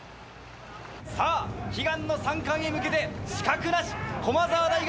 悲願の三冠へ向けて、刺客なし、駒澤大学！